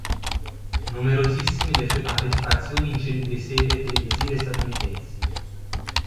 Numerosissime le sue partecipazioni in celebri serie televisive statunitensi.